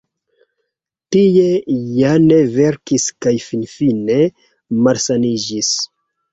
Tie Jane verkis kaj finfine malsaniĝis.